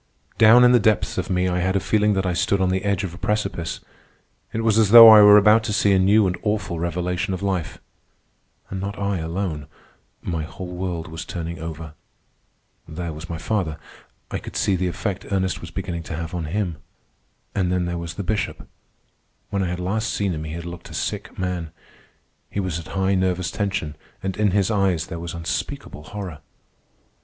Down in the depths of me I had a feeling that I stood on the edge of a precipice. It was as though I were about to see a new and awful revelation of life. And not I alone. My whole world was turning over. There was my father. I could see the effect Ernest was beginning to have on him. And then there was the Bishop. When I had last seen him he had looked a sick man. He was at high nervous tension, and in his eyes there was unspeakable horror.